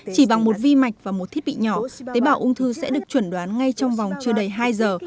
chỉ bằng một vi mạch và một thiết bị nhỏ tế bào ung thư sẽ được chuẩn đoán ngay trong vòng chưa đầy hai giờ